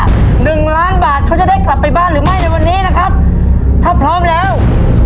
หนึ่งล้านบาทเขาจะได้กลับไปบ้านหรือไม่ในวันนี้นะครับถ้าพร้อมแล้ว